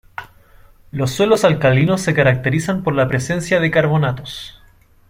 Los suelos alcalinos se caracterizan por la presencia de carbonatos.